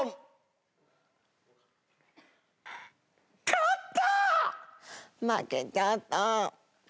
勝った！